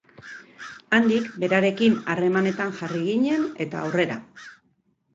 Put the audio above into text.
Handik berarekin harremanetan jarri ginen, eta aurrera.